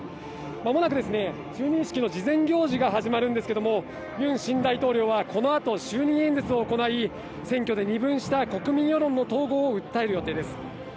間もなく就任式の事前行事が始まるんですけれども、ユン新大統領はこの後、就任演説を行い、選挙で二分した国民世論の統合を訴える予定です。